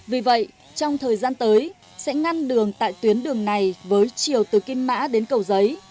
vì vậy trong thời gian tới sẽ ngăn đường tại tuyến đường này với chiều từ kim mã đến cầu giấy